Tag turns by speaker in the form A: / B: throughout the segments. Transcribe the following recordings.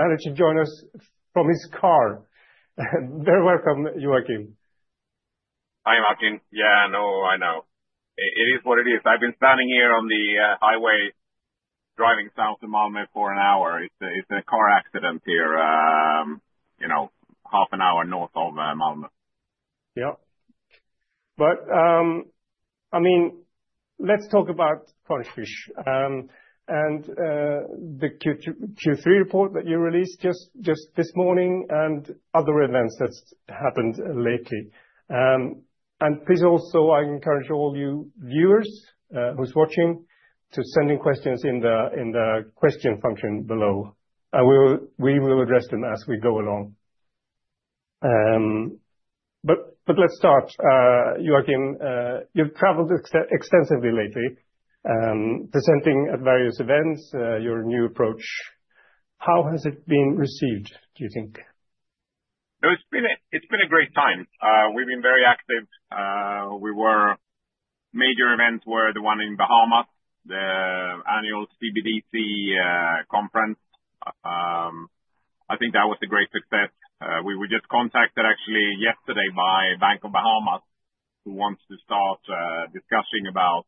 A: Managed to join us from his car. Very welcome, Joachim.
B: Hi, Martin. Yeah, no, I know. It is what it is. I've been standing here on the highway, driving south of Malmö for an hour. It's a car accident here, half an hour north of Malmö.
A: Yeah. I mean, let's talk about Crunchfish and the Q3 report that you released just this morning and other events that happened lately. Please also, I encourage all you viewers who are watching to send in questions in the question function below. We will address them as we go along. Let's start. Joachim, you've traveled extensively lately, presenting at various events, your new approach. How has it been received, do you think?
B: No, it's been a great time. We've been very active. Major events were the one in Bahamas, the annual CBDC conference. I think that was a great success. We were just contacted, actually, yesterday by Bank of Bahamas, who wants to start discussing about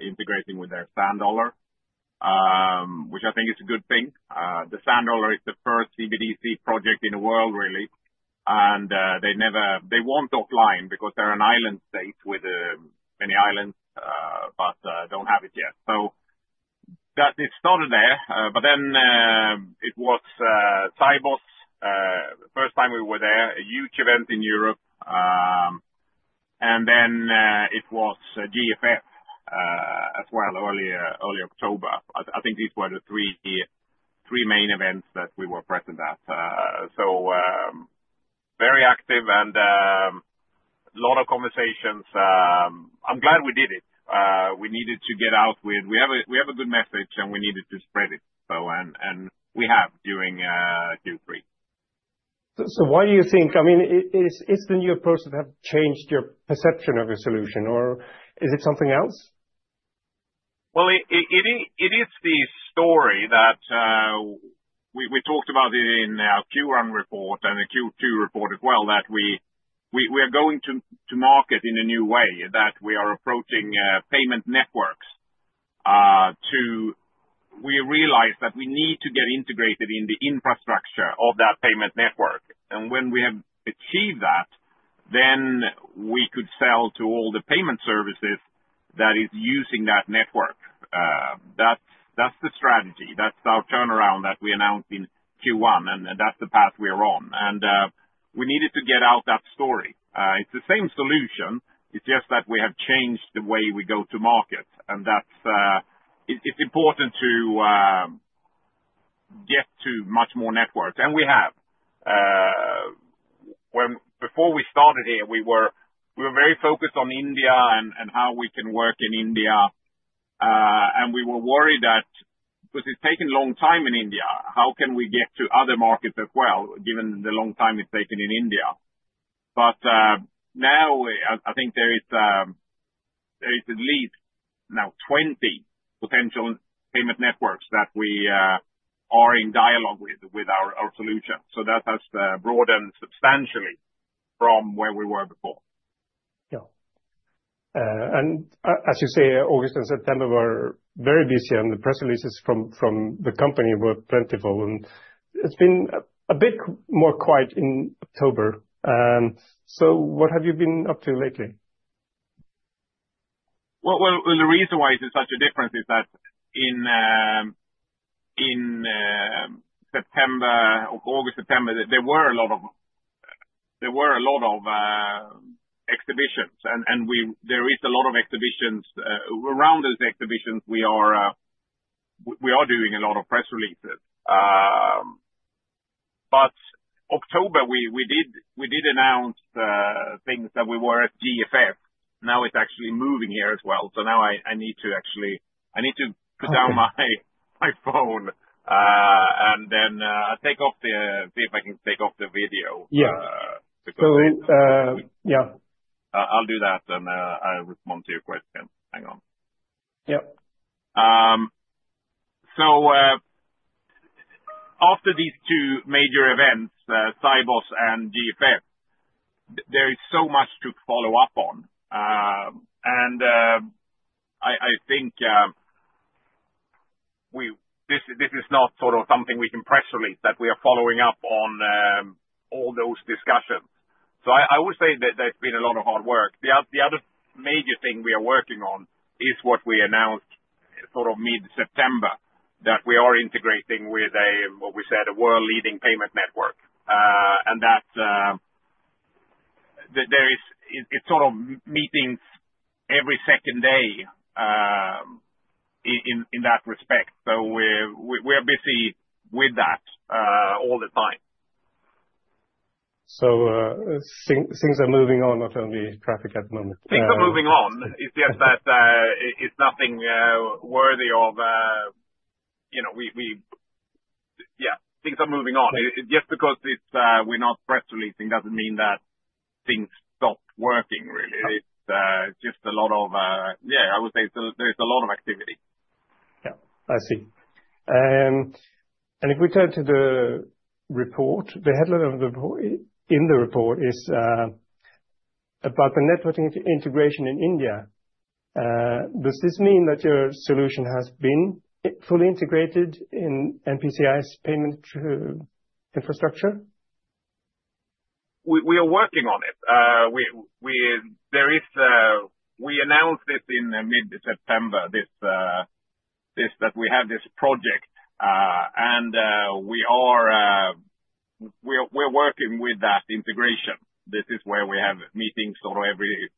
B: integrating with their Sand Dollar, which I think is a good thing. The Sand Dollar is the first CBDC project in the world, really. They want offline because they're an island state with many islands, but don't have it yet. It started there. Then it was Sibos, first time we were there, a huge event in Europe. Then it was GFF as well, early October. I think these were the three main events that we were present at. Very active and a lot of conversations. I'm glad we did it. We needed to get out with we have a good message and we needed to spread it. We have during Q3.
A: Why do you think, I mean, it's the new approach that has changed your perception of your solution, or is it something else?
B: It is the story that we talked about in our Q1 report and the Q2 report as well, that we are going to market in a new way, that we are approaching payment networks too. We realized that we need to get integrated in the infrastructure of that payment network. When we have achieved that, then we could sell to all the payment services that are using that network. That is the strategy. That is our turnaround that we announced in Q1, and that is the path we are on. We needed to get out that story. It is the same solution. It is just that we have changed the way we go to market. It is important to get to much more networks. We have. Before we started here, we were very focused on India and how we can work in India. We were worried that because it's taken a long time in India, how can we get to other markets as well, given the long time it's taken in India. Now, I think there is at least now 20 potential payment networks that we are in dialogue with our solution. That has broadened substantially from where we were before.
A: Yeah. As you say, August and September were very busy, and the press releases from the company were plentiful. It's been a bit more quiet in October. What have you been up to lately?
B: The reason why it is such a difference is that in August, September, there were a lot of exhibitions. There is a lot of exhibitions. Around those exhibitions, we are doing a lot of press releases. October, we did announce things that we were at GFF. Now it's actually moving here as well. Now I need to actually put down my phone and then take off the see if I can take off the video.
A: Yeah. Yeah.
B: I'll do that and I'll respond to your question. Hang on.
A: Yeah.
B: After these two major events, Sibos and GFF, there is so much to follow up on. I think this is not sort of something we can press release that we are following up on all those discussions. I would say that there's been a lot of hard work. The other major thing we are working on is what we announced sort of mid-September, that we are integrating with a, what we said, a world-leading payment network. There are meetings every second day in that respect. We are busy with that all the time.
A: Things are moving on, not only traffic at the moment.
B: Things are moving on. It's just that it's nothing worthy of, yeah, things are moving on. Just because we're not press releasing doesn't mean that things stopped working, really. It's just a lot of, yeah, I would say there's a lot of activity.
A: Yeah. I see. If we turn to the report, the headline of the report in the report is about the networking integration in India. Does this mean that your solution has been fully integrated in NPCI's payment infrastructure?
B: We are working on it. We announced this in mid-September, that we have this project. We are working with that integration. This is where we have meetings sort of every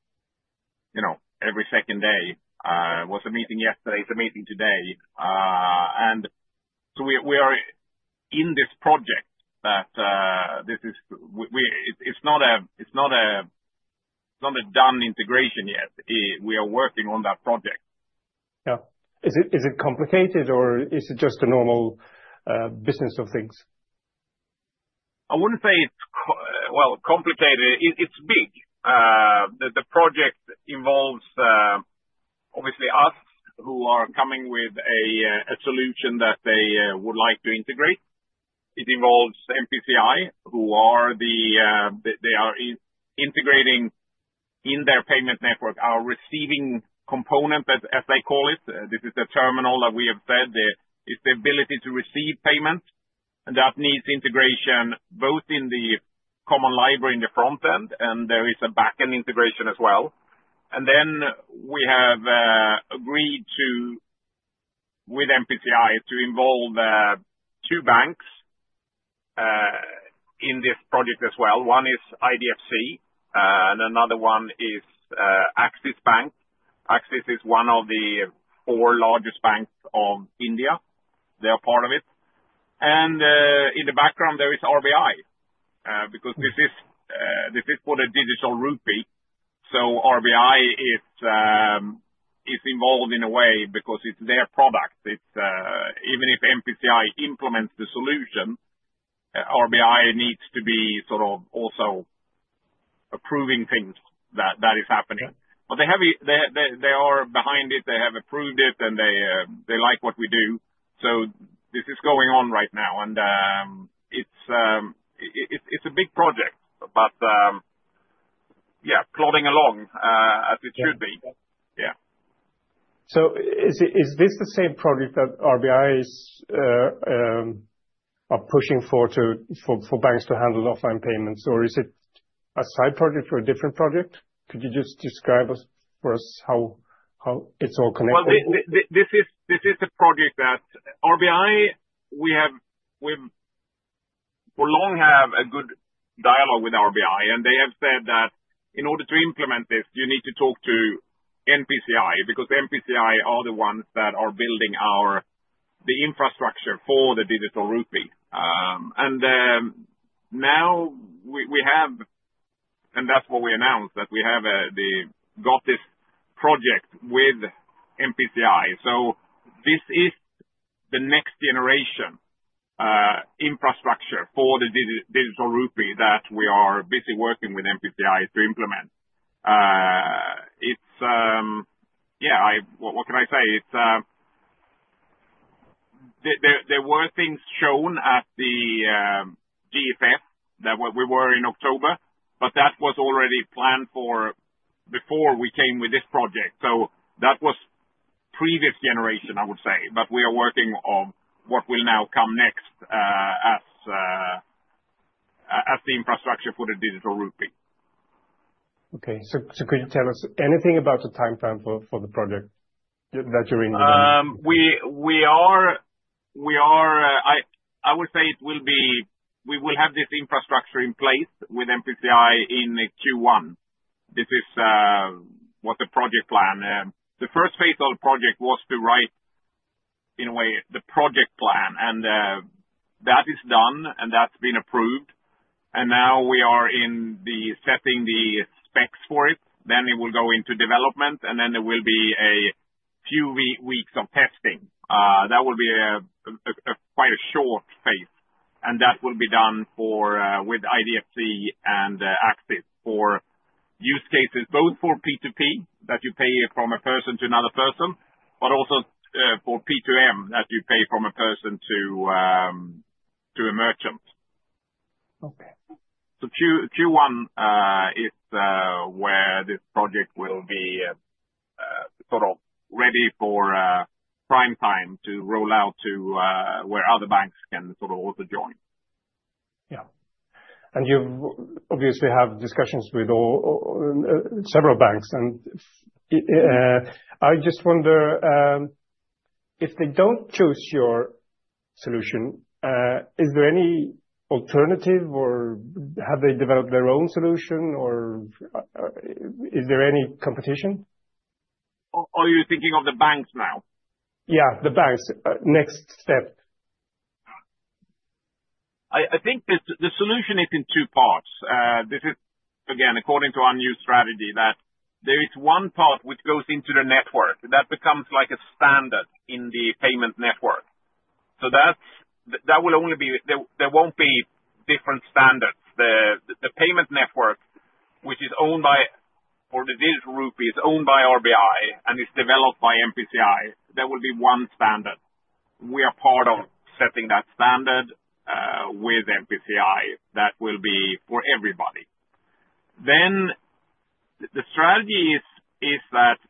B: second day. There was a meeting yesterday. There is a meeting today. We are in this project. It is not a done integration yet. We are working on that project.
A: Yeah. Is it complicated, or is it just a normal business of things?
B: I wouldn't say it's, well, complicated. It's big. The project involves, obviously, us who are coming with a solution that they would like to integrate. It involves NPCI, who are the, they are integrating in their payment network our receiving component, as they call it. This is the terminal that we have said. It's the ability to receive payments. That needs integration both in the common library in the front end, and there is a backend integration as well. We have agreed with NPCI to involve two banks in this project as well. One is IDFC, and another one is Axis Bank. Axis is one of the four largest banks of India. They are part of it. In the background, there is RBI because this is for the digital rupee. RBI is involved in a way because it's their product. Even if NPCI implements the solution, RBI needs to be sort of also approving things that is happening. They are behind it. They have approved it, and they like what we do. This is going on right now. It is a big project, but yeah, plodding along as it should be. Yeah.
A: Is this the same project that RBI is pushing for banks to handle offline payments, or is it a side project or a different project? Could you just describe for us how it's all connected?
B: This is a project that RBI, we have for long had a good dialogue with RBI. They have said that in order to implement this, you need to talk to NPCI because NPCI are the ones that are building the infrastructure for the digital rupee. Now we have, and that's what we announced, that we have got this project with NPCI. This is the next generation infrastructure for the digital rupee that we are busy working with NPCI to implement. Yeah, what can I say? There were things shown at the GFF that we were in October, but that was already planned for before we came with this project. That was previous generation, I would say. We are working on what will now come next as the infrastructure for the digital rupee.
A: Okay. Could you tell us anything about the timeframe for the project that you're in?
B: We are, I would say it will be we will have this infrastructure in place with NPCI in Q1. This is what the project plan. The first phase of the project was to write, in a way, the project plan. That is done, and that's been approved. Now we are in the setting the specs for it. It will go into development, and there will be a few weeks of testing. That will be quite a short phase. That will be done with IDFC and Axis for use cases, both for P2P, that you pay from a person to another person, but also for P2M, that you pay from a person to a merchant.
A: Okay.
B: Q1 is where this project will be sort of ready for prime time to roll out to where other banks can sort of also join.
A: Yeah. You obviously have discussions with several banks. I just wonder if they do not choose your solution, is there any alternative, or have they developed their own solution, or is there any competition?
B: Are you thinking of the banks now?
A: Yeah, the banks. Next step.
B: I think the solution is in two parts. This is, again, according to our new strategy, that there is one part which goes into the network. That becomes like a standard in the payment network. That will only be, there will not be different standards. The payment network, which is owned by or the digital rupee is owned by RBI, and it is developed by NPCI, there will be one standard. We are part of setting that standard with NPCI that will be for everybody. The strategy is that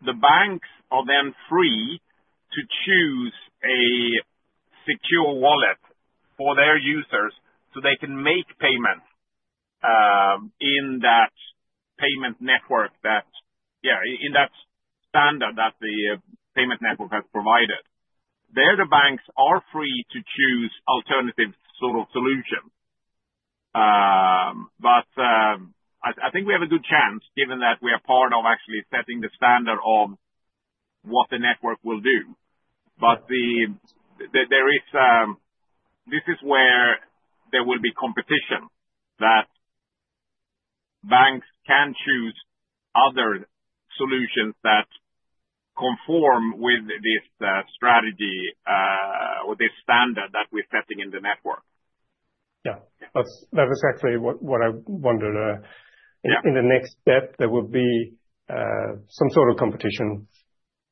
B: the banks are then free to choose a secure wallet for their users so they can make payments in that payment network, in that standard that the payment network has provided. There, the banks are free to choose alternative sort of solutions. I think we have a good chance, given that we are part of actually setting the standard of what the network will do. This is where there will be competition, that banks can choose other solutions that conform with this strategy or this standard that we are setting in the network.
A: Yeah. That was actually what I wondered. In the next step, there will be some sort of competition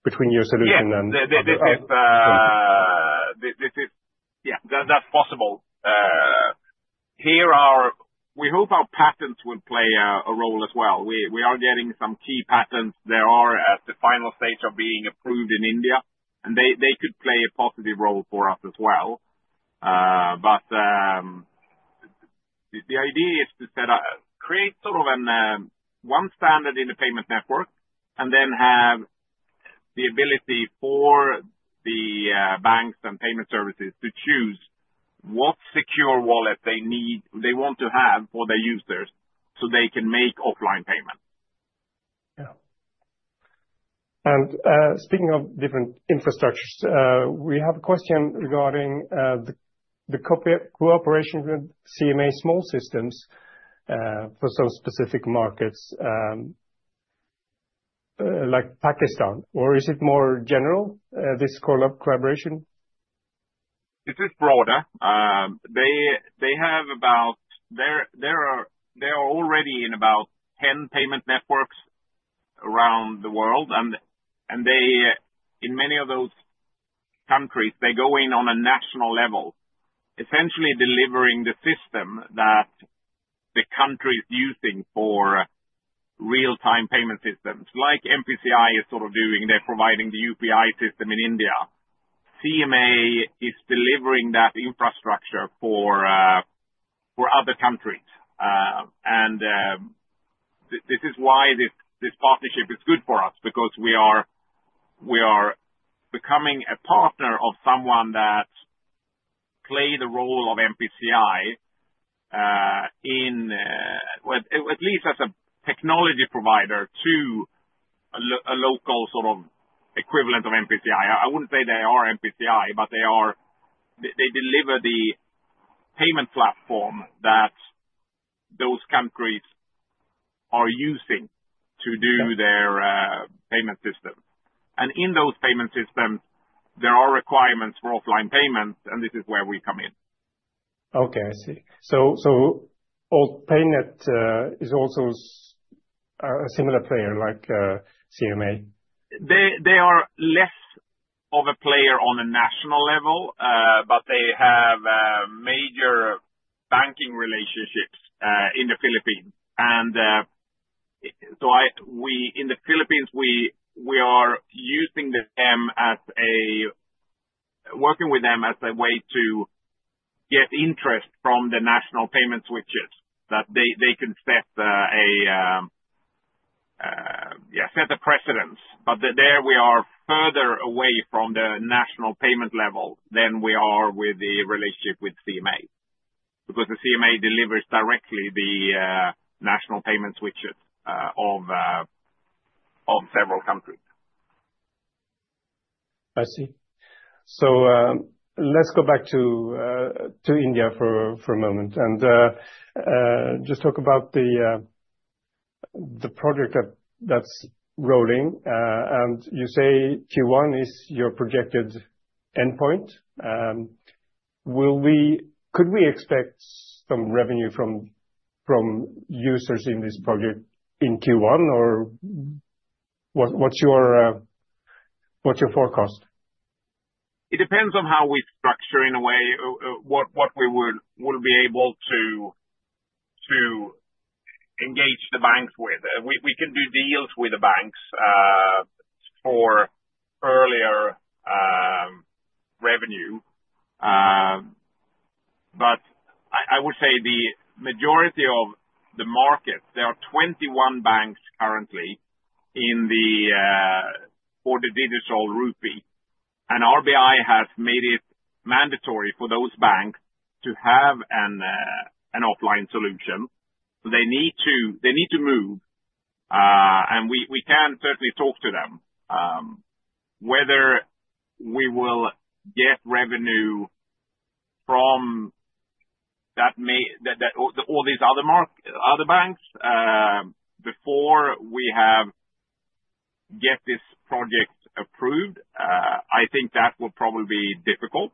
A: between your solution and.
B: Yeah. This is yeah, that's possible. We hope our patents will play a role as well. We are getting some key patents. They are at the final stage of being approved in India. They could play a positive role for us as well. The idea is to create sort of one standard in the payment network and then have the ability for the banks and payment services to choose what secure wallet they want to have for their users so they can make offline payments.
A: Yeah. And speaking of different infrastructures, we have a question regarding the cooperation with CMA Small Systems for some specific markets, like Pakistan. Is it more general, this collaboration?
B: This is broader. They have about they are already in about 10 payment networks around the world. In many of those countries, they go in on a national level, essentially delivering the system that the country is using for real-time payment systems. Like NPCI is sort of doing, they're providing the UPI system in India. CMA is delivering that infrastructure for other countries. This is why this partnership is good for us, because we are becoming a partner of someone that plays the role of NPCI in, at least as a technology provider, to a local sort of equivalent of NPCI. I would not say they are NPCI, but they deliver the payment platform that those countries are using to do their payment system. In those payment systems, there are requirements for offline payments, and this is where we come in.
A: Okay. I see. So [OldPayNet] is also a similar player like CMA?
B: They are less of a player on a national level, but they have major banking relationships in the Philippines. In the Philippines, we are working with them as a way to get interest from the national payment switches that they can set a, yeah, set a precedence. There we are further away from the national payment level than we are with the relationship with CMA, because CMA delivers directly to the national payment switches of several countries.
A: I see. Let's go back to India for a moment and just talk about the project that's rolling. You say Q1 is your projected endpoint. Could we expect some revenue from users in this project in Q1, or what's your forecast?
B: It depends on how we structure in a way what we will be able to engage the banks with. We can do deals with the banks for earlier revenue. I would say the majority of the market, there are 21 banks currently for the digital rupee. RBI has made it mandatory for those banks to have an offline solution. They need to move. We can certainly talk to them whether we will get revenue from all these other banks before we get this project approved. I think that will probably be difficult.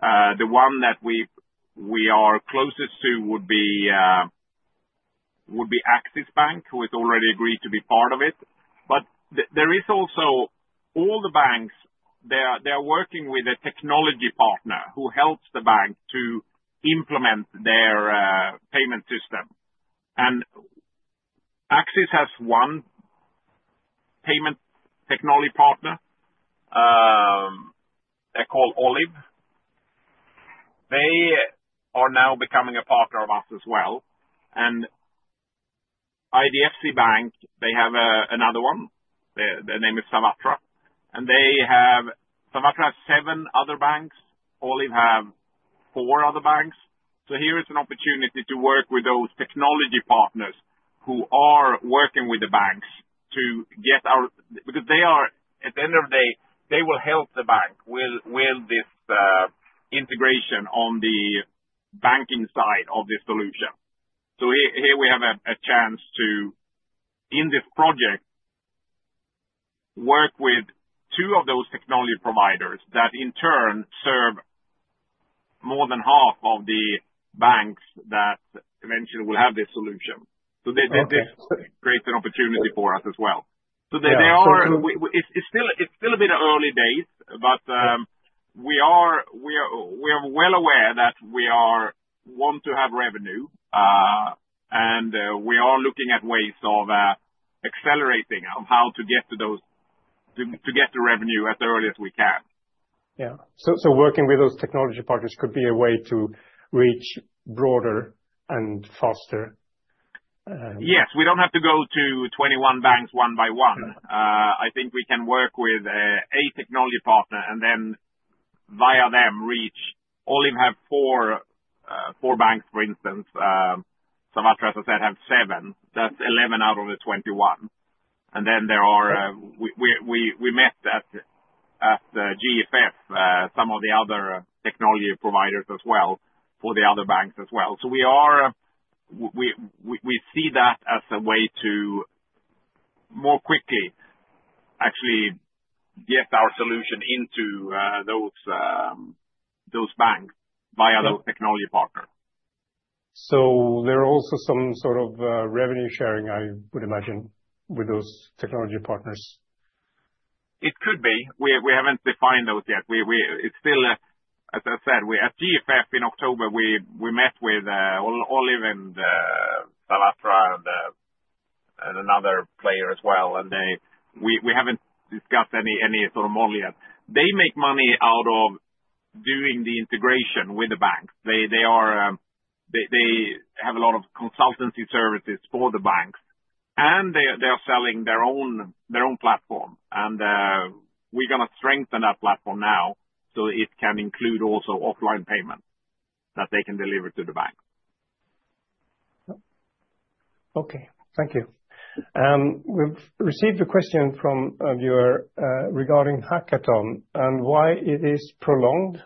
B: The one that we are closest to would be Axis Bank, who has already agreed to be part of it. There is also all the banks, they are working with a technology partner who helps the bank to implement their payment system. Axis has one payment technology partner. They're called Olive. They are now becoming a partner of us as well. IDFC Bank, they have another one. The name is Sarvatra. Sarvatra has seven other banks. Olive has four other banks. Here is an opportunity to work with those technology partners who are working with the banks to get our, because they are, at the end of the day, they will help the bank with this integration on the banking side of this solution. Here we have a chance to, in this project, work with two of those technology providers that, in turn, serve more than half of the banks that eventually will have this solution. This creates an opportunity for us as well. It is still a bit of early days, but we are well aware that we want to have revenue. We are looking at ways of accelerating how to get to revenue as early as we can.
A: Yeah. So working with those technology partners could be a way to reach broader and faster.
B: Yes. We do not have to go to 21 banks one by one. I think we can work with a technology partner and then via them reach. Olive has four banks, for instance. Sarvatra, as I said, has seven. That is 11 out of the 21. We met at GFF, some of the other technology providers as well, for the other banks as well. We see that as a way to more quickly actually get our solution into those banks via those technology partners.
A: There are also some sort of revenue sharing, I would imagine, with those technology partners.
B: It could be. We haven't defined those yet. It's still, as I said, at GFF in October, we met with Olive and Sarvatra and another player as well. We haven't discussed any sort of model yet. They make money out of doing the integration with the banks. They have a lot of consultancy services for the banks, and they are selling their own platform. We're going to strengthen that platform now so it can include also offline payments that they can deliver to the banks.
A: Okay. Thank you. We've received a question from a viewer regarding hackathon and why it is prolonged.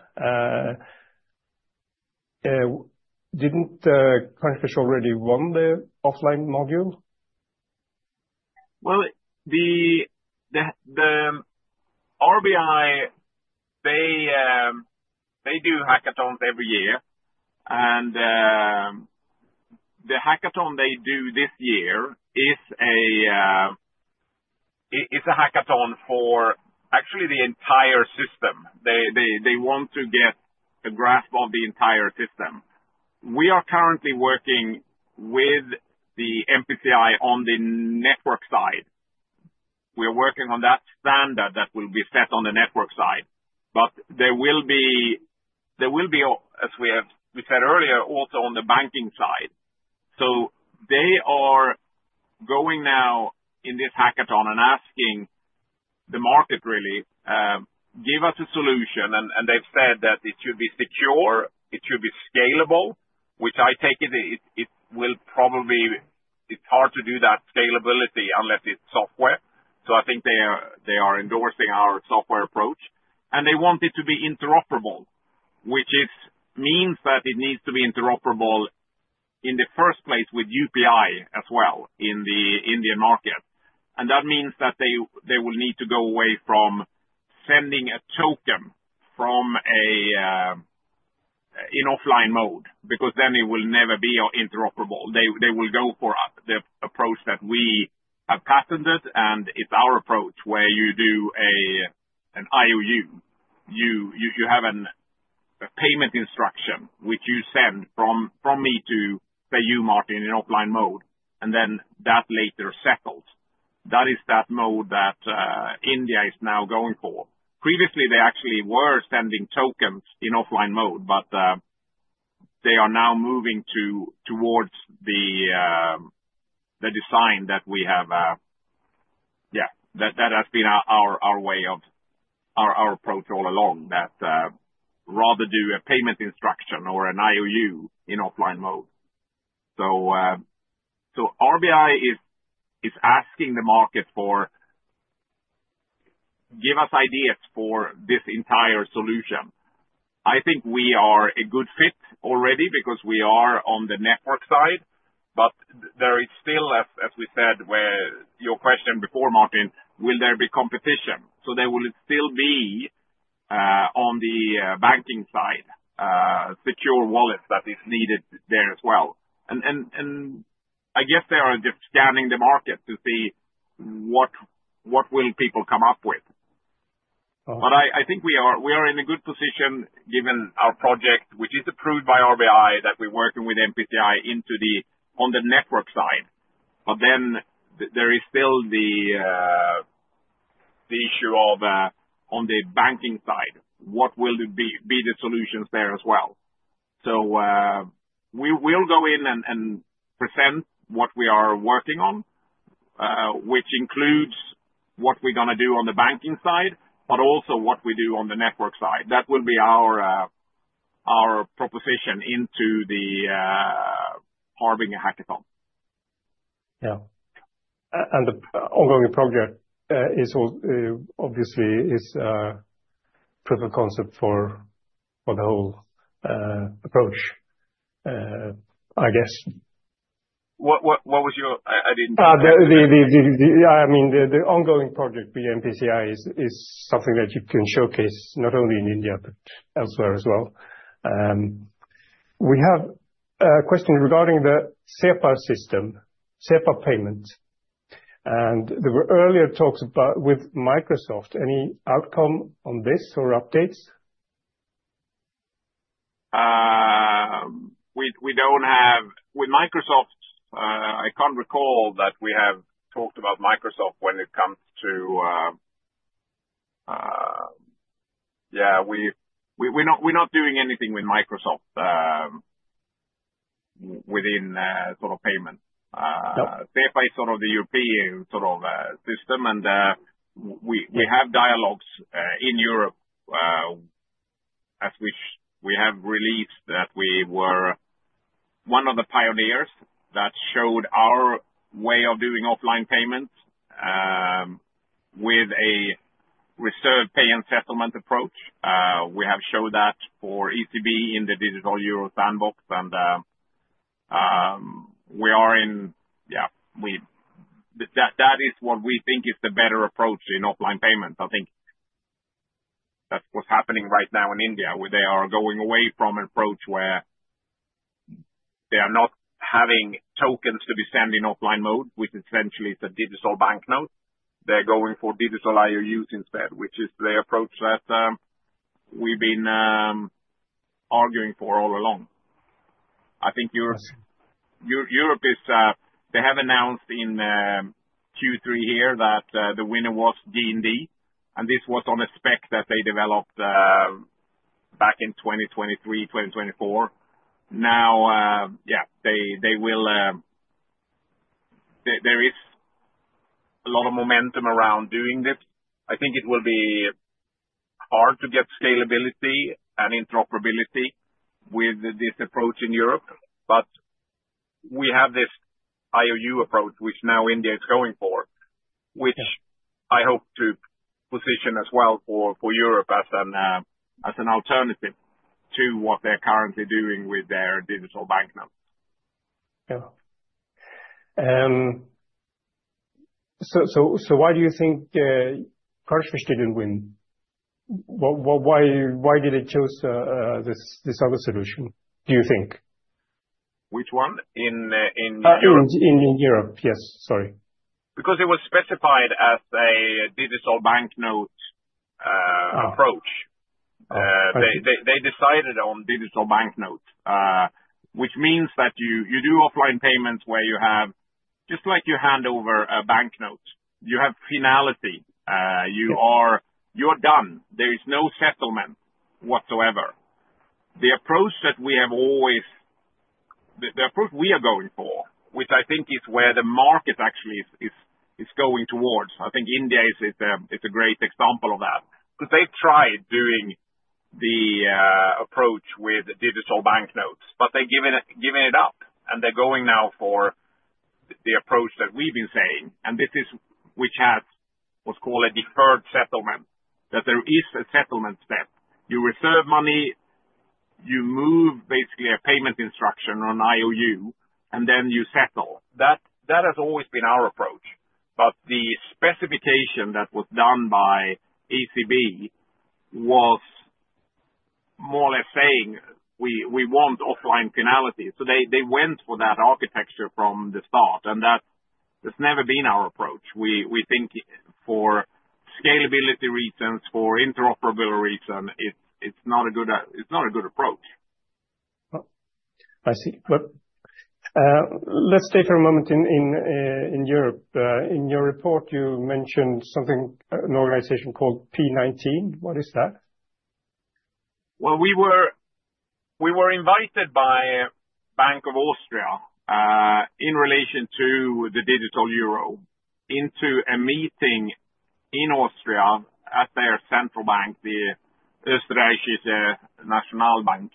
A: Didn't Crunchfish already run the offline module?
B: The RBI, they do hackathons every year. The hackathon they do this year is a hackathon for actually the entire system. They want to get a grasp of the entire system. We are currently working with the NPCI on the network side. We are working on that standard that will be set on the network side. There will be, as we said earlier, also on the banking side. They are going now in this hackathon and asking the market, really, "Give us a solution." They've said that it should be secure. It should be scalable, which I take it it will probably be hard to do that scalability unless it's software. I think they are endorsing our software approach. They want it to be interoperable, which means that it needs to be interoperable in the first place with UPI as well in the Indian market. That means that they will need to go away from sending a token in offline mode because then it will never be interoperable. They will go for the approach that we have patented, and it's our approach where you do an IOU. You have a payment instruction, which you send from me to, say, you, Martin, in offline mode, and then that later settles. That is that mode that India is now going for. Previously, they actually were sending tokens in offline mode, but they are now moving towards the design that we have, yeah, that has been our approach all along, that rather do a payment instruction or an IOU in offline mode. RBI is asking the market for, "Give us ideas for this entire solution." I think we are a good fit already because we are on the network side. There is still, as we said, your question before, Martin, will there be competition? There will still be on the banking side, secure wallets that are needed there as well. I guess they are just scanning the market to see what will people come up with. I think we are in a good position given our project, which is approved by RBI, that we're working with NPCI on the network side. There is still the issue of on the banking side, what will be the solutions there as well? We will go in and present what we are working on, which includes what we're going to do on the banking side, but also what we do on the network side. That will be our proposition into the HaRBInger hackathon.
A: Yeah. The ongoing project is obviously a proof of concept for the whole approach, I guess.
B: What was your? I didn't hear.
A: Yeah. I mean, the ongoing project with NPCI is something that you can showcase not only in India but elsewhere as well. We have a question regarding the SEPA system, SEPA payment. There were earlier talks with Microsoft. Any outcome on this or updates?
B: With Microsoft, I can't recall that we have talked about Microsoft when it comes to yeah, we're not doing anything with Microsoft within sort of payment. SEPA is sort of the European sort of system. And we have dialogues in Europe as we have released that we were one of the pioneers that showed our way of doing offline payments with a reserved pay and settlement approach. We have showed that for ECB in the digital euro sandbox. And we are in yeah, that is what we think is the better approach in offline payments. I think that's what's happening right now in India, where they are going away from an approach where they are not having tokens to be sent in offline mode, which essentially is a digital banknote. They're going for digital IOUs instead, which is the approach that we've been arguing for all along. I think Europe is they have announced in Q3 here that the winner was G+D. This was on a spec that they developed back in 2023, 2024. Now, yeah, there is a lot of momentum around doing this. I think it will be hard to get scalability and interoperability with this approach in Europe. We have this IOU approach, which now India is going for, which I hope to position as well for Europe as an alternative to what they're currently doing with their digital banknotes.
A: Yeah. Why do you think Crunchfish didn't win? Why did they choose this other solution, do you think?
B: Which one? In Europe?
A: In Europe. Yes. Sorry.
B: Because it was specified as a digital banknote approach. They decided on digital banknote, which means that you do offline payments where you have just like you hand over a banknote, you have finality. You are done. There is no settlement whatsoever. The approach that we have always, the approach we are going for, which I think is where the market actually is going towards, I think India is a great example of that. Because they've tried doing the approach with digital banknotes, but they've given it up. They're going now for the approach that we've been saying. This is which has what's called a deferred settlement, that there is a settlement step. You reserve money, you move basically a payment instruction or an IOU, and then you settle. That has always been our approach. The specification that was done by ECB was more or less saying, "We want offline finality." They went for that architecture from the start. That has never been our approach. We think for scalability reasons, for interoperability reasons, it's not a good approach.I see. Let's stay for a moment in Europe. In your report, you mentioned something, an organization called P19. What is that. We were invited by Bank of Austria in relation to the digital euro into a meeting in Austria at their central bank, the Oesterreichische Nationalbank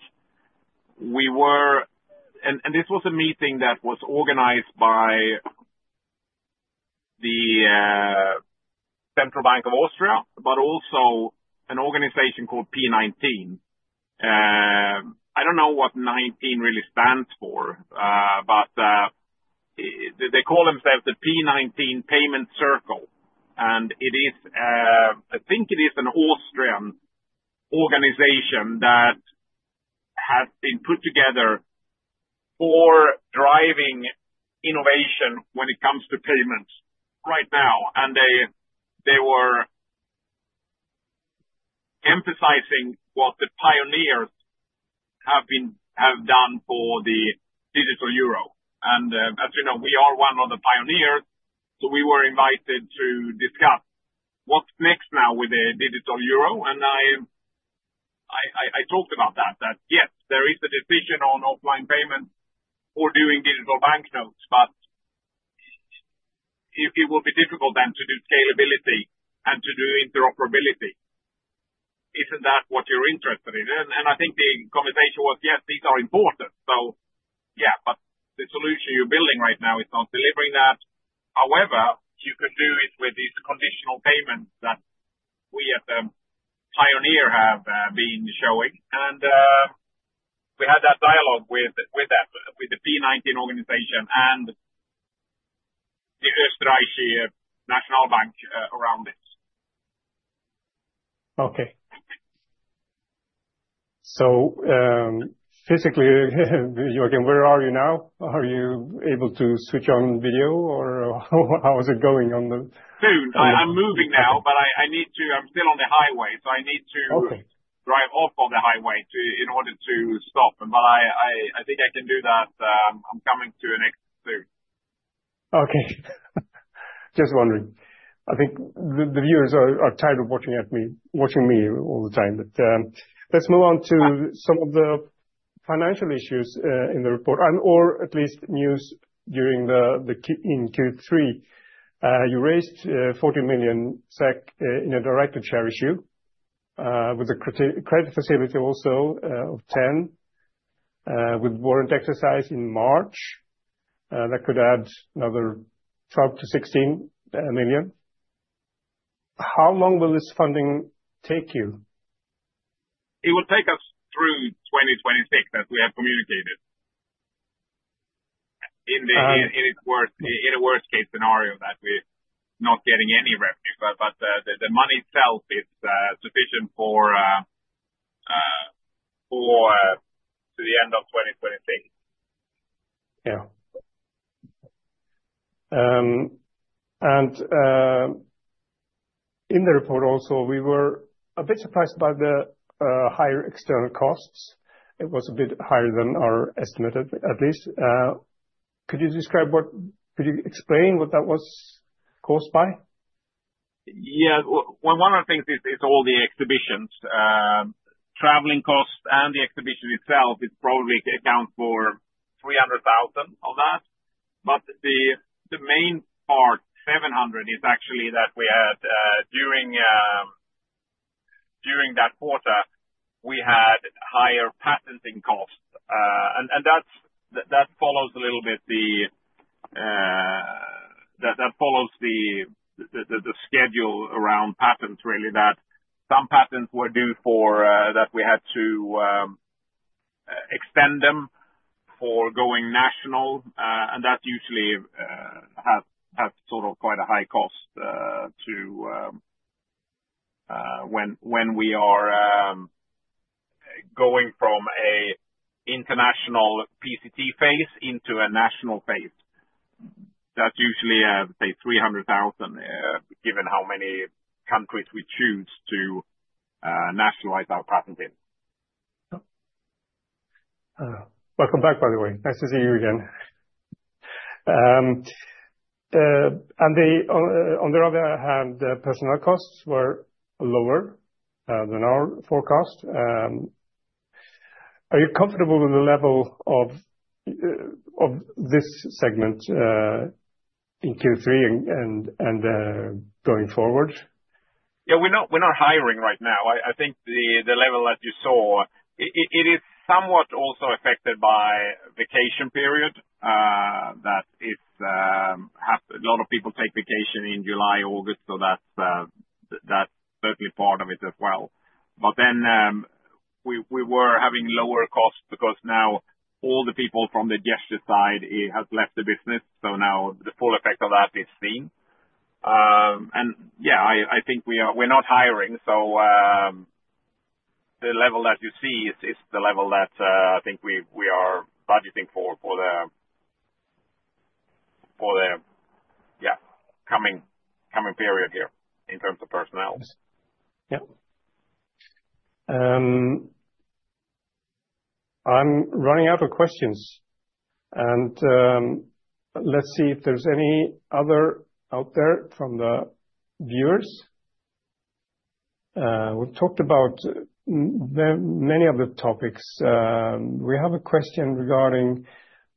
B: I talked about that, that yes, there is a decision on offline payments for doing digital banknotes, but it will be difficult then to do scalability and to do interoperability. Isn't that what you're interested in? I think the conversation was, "Yes, these are important." Yeah, but the solution you're building right now is not delivering that. However, you can do it with these conditional payments that we as a pioneer have been showing. We had that dialogue with the P19 organization and the Oesterreichische Nationalbank around it.
A: Okay. So physically, Joachim, where are you now? Are you able to switch on video or how is it going on the?
B: Soon. I'm moving now, but I need to I'm still on the highway, so I need to drive off of the highway in order to stop. I think I can do that. I'm coming to an exit soon.
A: Okay. Just wondering. I think the viewers are tired of watching me all the time. Let's move on to some of the financial issues in the report or at least news during Q3. You raised 40 million SEK in a direct-to-share issue with a credit facility also of 10 with warrant exercise in March that could add another 12 million-16 million. How long will this funding take you?
B: It will take us through 2026, as we have communicated. In a worst-case scenario, that we're not getting any revenue. The money itself is sufficient to the end of 2026.
A: Yeah. In the report also, we were a bit surprised by the higher external costs. It was a bit higher than our estimate, at least. Could you describe, could you explain what that was caused by?
B: Yeah. One of the things is all the exhibitions. Traveling costs and the exhibition itself probably account for 300,000 on that. The main part, 700,000, is actually that we had during that quarter, we had higher patenting costs. That follows a little bit the schedule around patents, really, that some patents were due for that we had to extend them for going national. That usually has quite a high cost when we are going from an international PCT phase into a national phase. That's usually, I'd say, 300,000, given how many countries we choose to nationalize our patenting.
A: Welcome back, by the way. Nice to see you again. On the other hand, the personal costs were lower than our forecast. Are you comfortable with the level of this segment in Q3 and going forward?
B: Yeah. We're not hiring right now. I think the level that you saw, it is somewhat also affected by vacation period that a lot of people take vacation in July, August. That is certainly part of it as well. We were having lower costs because now all the people from the gesture side have left the business. Now the full effect of that is seen. Yeah, I think we're not hiring. The level that you see is the level that I think we are budgeting for the, yeah, coming period here in terms of personnel.
A: Yeah. I'm running out of questions. Let's see if there's any other out there from the viewers. We've talked about many of the topics. We have a question regarding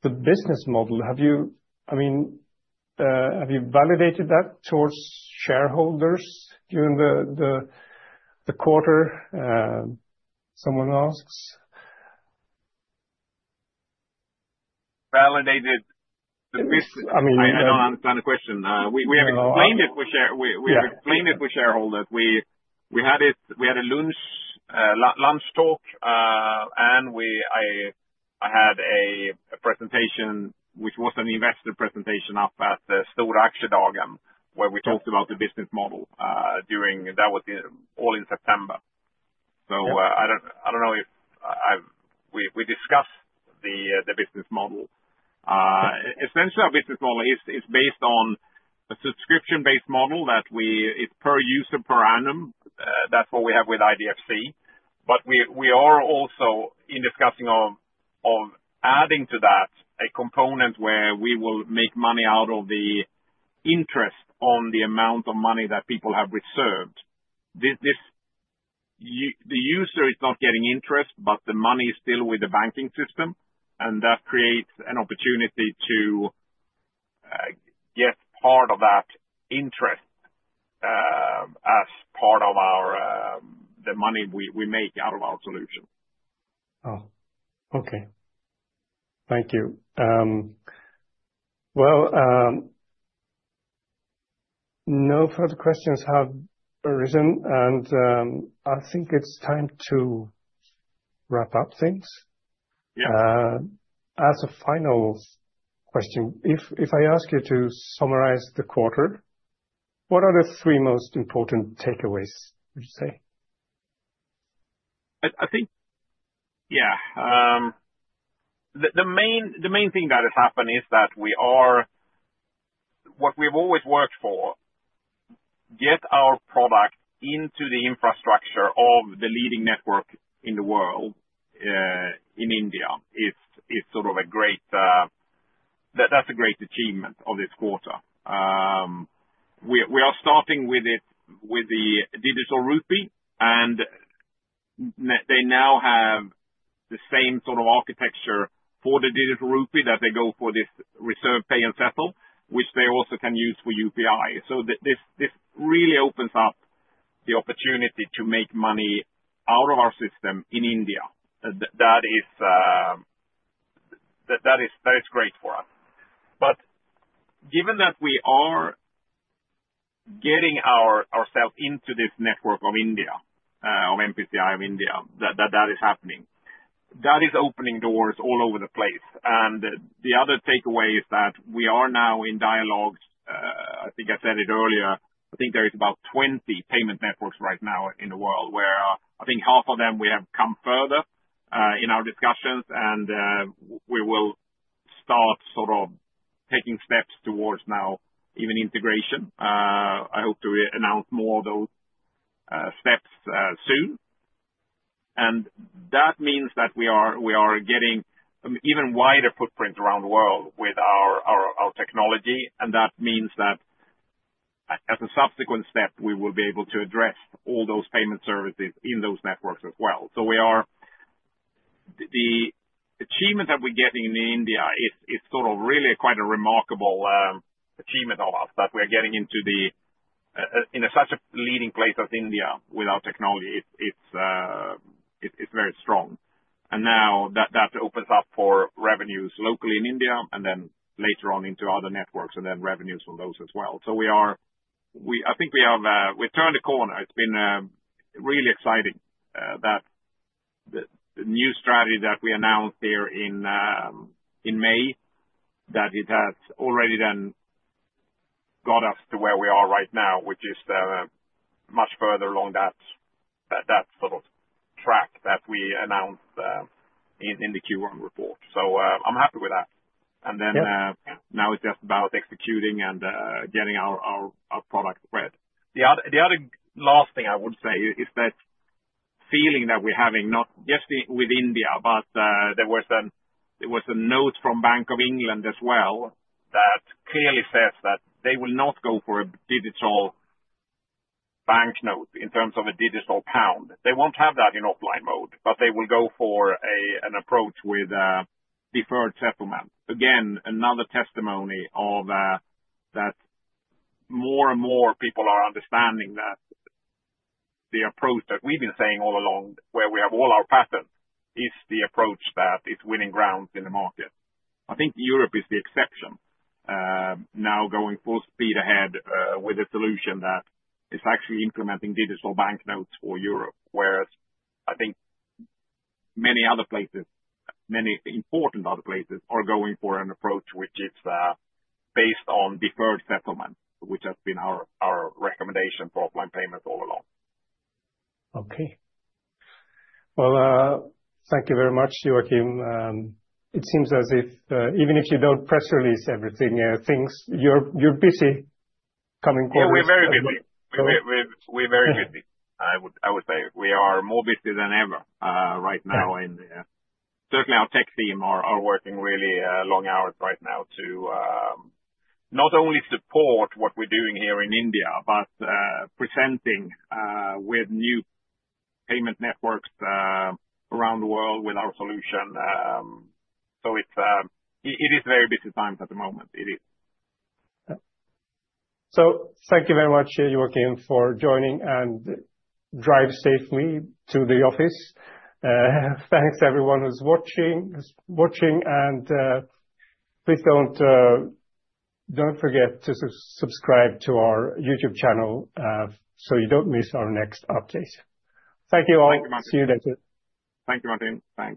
A: the business model. I mean, have you validated that towards shareholders during the quarter? Someone asks.
B: Validated the business.
A: I mean.
B: I don't understand the question. We have explained it to shareholders. We had a lunch talk, and I had a presentation, which was an investor presentation up at the Stora Aktiedagen, where we talked about the business model. That was all in September. I don't know if we discussed the business model. Essentially, our business model is based on a subscription-based model that is per user, per annum. That's what we have with IDFC. We are also in discussing of adding to that a component where we will make money out of the interest on the amount of money that people have reserved. The user is not getting interest, but the money is still with the banking system. That creates an opportunity to get part of that interest as part of the money we make out of our solution.
A: Oh. Okay. Thank you. No further questions have arisen. I think it's time to wrap up things. As a final question, if I ask you to summarize the quarter, what are the three most important takeaways, would you say?
B: I think, yeah, the main thing that has happened is that we are what we've always worked for, get our product into the infrastructure of the leading network in the world in India. It's sort of a great, that's a great achievement of this quarter. We are starting with the Digital Rupee, and they now have the same sort of architecture for the Digital Rupee that they go for this reserve pay and settle, which they also can use for UPI. This really opens up the opportunity to make money out of our system in India. That is great for us. Given that we are getting ourselves into this network of India, of NPCI of India, that is happening, that is opening doors all over the place. The other takeaway is that we are now in dialogue. I think I said it earlier. I think there are about 20 payment networks right now in the world, where I think half of them we have come further in our discussions. We will start sort of taking steps towards now even integration. I hope to announce more of those steps soon. That means that we are getting an even wider footprint around the world with our technology. That means that as a subsequent step, we will be able to address all those payment services in those networks as well. The achievement that we're getting in India is sort of really quite a remarkable achievement of us that we are getting into such a leading place as India with our technology. It's very strong. Now that opens up for revenues locally in India, and then later on into other networks, and then revenues from those as well. I think we have turned the corner. It's been really exciting that the new strategy that we announced here in May, that it has already then got us to where we are right now, which is much further along that sort of track that we announced in the Q1 report. I'm happy with that. Now it's just about executing and getting our product ready. The other last thing I would say is that feeling that we're having, not just with India, but there was a note from Bank of England as well that clearly says that they will not go for a digital banknote in terms of a digital pound. They won't have that in offline mode, but they will go for an approach with deferred settlement. Again, another testimony of that more and more people are understanding that the approach that we've been saying all along, where we have all our patents, is the approach that is winning ground in the market. I think Europe is the exception, now going full speed ahead with a solution that is actually implementing digital banknotes for Europe, whereas I think many other places, many important other places, are going for an approach which is based on deferred settlement, which has been our recommendation for offline payments all along.
A: Okay. Thank you very much, Joachim. It seems as if even if you do not press release everything, things are busy coming quarterly.
B: Yeah, we're very busy. We're very busy, I would say. We are more busy than ever right now. Certainly, our tech team are working really long hours right now to not only support what we're doing here in India, but presenting with new payment networks around the world with our solution. It is very busy times at the moment. It is.
A: Thank you very much, Joachim, for joining, and drive safely to the office. Thanks, everyone who's watching. Please don't forget to subscribe to our YouTube channel so you don't miss our next update. Thank you all. See you later.
B: Thank you, Martin.